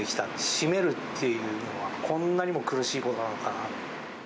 閉めるっていうのは、こんなにも苦しいことなのかなと。